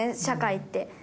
社会って。